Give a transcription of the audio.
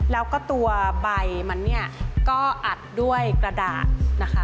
แล้วก็ตัวใบมันก็อัดด้วยกระดาษ